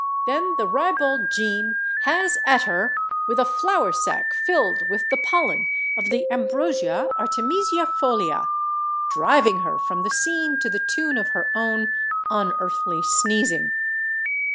Then the ribald Jean has at her with a flour sack filled with the pollen of the Ambrosia artemisiaefolia, driving her from the scene to the tune of her own unearthly sneezing.